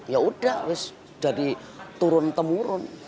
ya udah jadi turun temurun